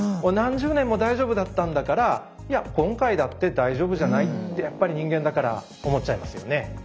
何十年も大丈夫だったんだからいや今回だって大丈夫じゃない？ってやっぱり人間だから思っちゃいますよね。